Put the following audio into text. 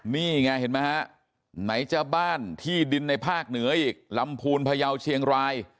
นี่ไงเห็นไหมฮะไหนจะบ้านที่ดินในภาคเหนืออีกลำพูนพยาวเชียงราย